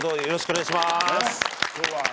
よろしくお願いします。